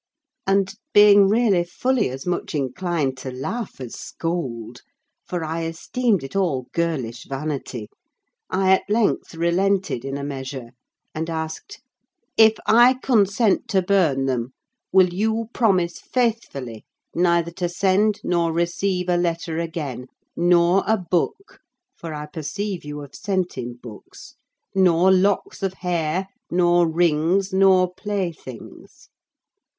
And being really fully as much inclined to laugh as scold—for I esteemed it all girlish vanity—I at length relented in a measure, and asked,—"If I consent to burn them, will you promise faithfully neither to send nor receive a letter again, nor a book (for I perceive you have sent him books), nor locks of hair, nor rings, nor playthings?"